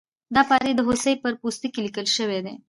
دا پارې د هوسۍ پر پوستکي لیکل شوي دي.